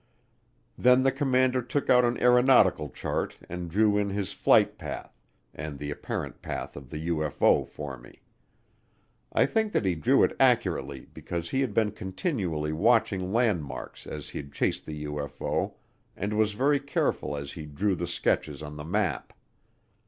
Then the commander took out an aeronautical chart and drew in his flight path and the apparent path of the UFO for me. I think that he drew it accurately because he had been continually watching landmarks as he'd chased the UFO and was very careful as he drew the sketches on the map.